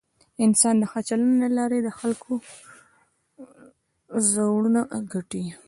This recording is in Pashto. انسان د ښه چلند له لارې د خلکو زړونه ګټي.